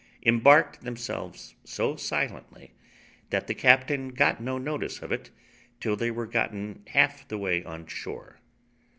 embarked themselves so silently, that the captain got no notice of it till they were gotten half the way on shore.